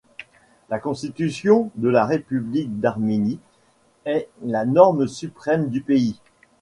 La Constitution de la République d'Arménie est la norme suprême du pays.